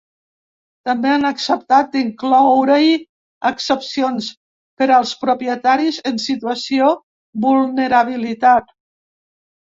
També han acceptat d’incloure-hi excepcions per als propietaris en situació vulnerabilitat.